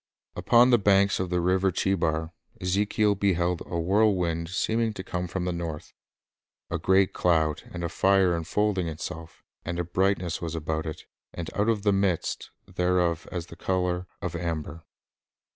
Upon the banks»of the river Chcbar, Ezekiel beheld a whirlwind seeming to come from the north, "a great cloud, and a fire enfolding itself, and a brightness war about it, and out of the midst thereof as the color of amber."